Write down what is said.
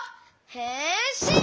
へんしん！